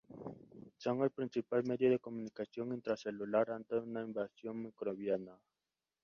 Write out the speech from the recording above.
Son el principal medio de comunicación intracelular ante una invasión microbiana.